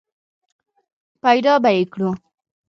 پیدا به یې کړو !